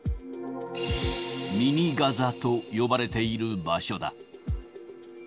ミニ・ガザと呼ばれている場所だ。